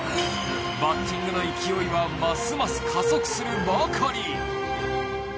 バッティングの勢いはますます加速するばかり。